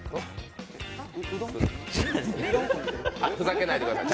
ふざけないでください。